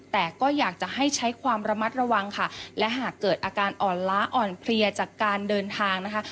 แต่ก็อยากจะให้ใช้ความระมัดระวังค่ะและหากเกิดอาการอ่อนล้าอ่อนเพลียจากการเดินทางนะคะ